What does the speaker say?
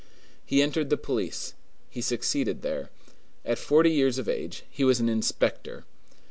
He entered the police; he succeeded there. At forty years of age he was an inspector.